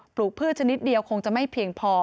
ลูกพืชชนิดเดียวคงจะไม่เพียงพอ